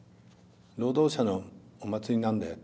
労働者のお祭りなんだよ」と。